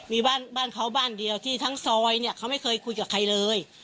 มีบ้านบ้านเขาบ้านเดียวที่ทั้งซอยเนี่ยเขาไม่เคยคุยกับใครเลย